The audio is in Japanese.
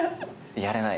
やれない。